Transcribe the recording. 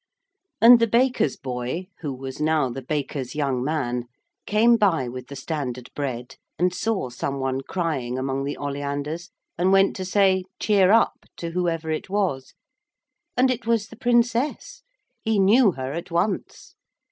And the baker's boy, who was now the baker's young man, came by with the standard bread and saw some one crying among the oleanders, and went to say, 'Cheer up!' to whoever it was. And it was the Princess. He knew her at once.